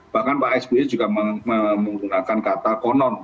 bahkan pak sby juga menggunakan kata konon